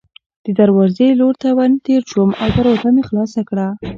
د دروازې لور ته ورتېر شوم او دروازه مې خلاصه کړه.